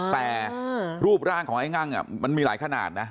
แต่รูปร่างของไอ้งั่งมันมีหลายขนาดนะ